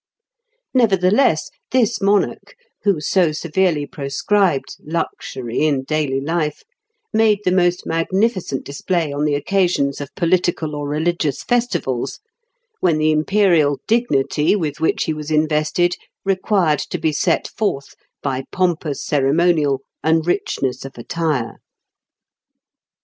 Nevertheless, this monarch, who so severely proscribed luxury in daily life, made the most magnificent display on the occasions of political or religious festivals, when the imperial dignity with which he was invested required to be set forth by pompous ceremonial and richness of attire.